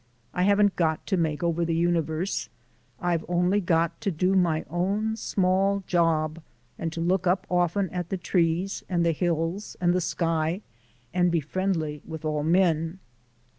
I haven't got to make over the universe: I've only got to do my own small job, and to look up often at the trees and the hills and the sky and be friendly with all men."